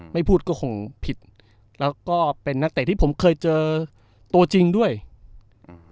ไม่พูดก็คงผิดแล้วก็เป็นนักเตะที่ผมเคยเจอตัวจริงด้วยอืม